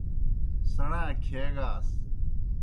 سیْݨا کھیگاس۔